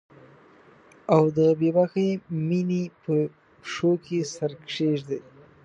او د بې باکې میینې په پښو کې سر کښیږدي